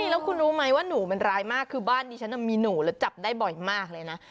แล้วคุณรู้ไหมว่าหนูมันร้ายมากคือบ้านนี้ฉันมีหนูแล้วจับได้บ่อยมากเลยนะ